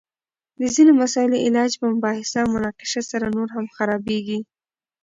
د ځینو مسائلو علاج په مباحثه او مناقشه سره نور هم خرابیږي!